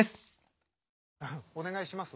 お願いしますわ。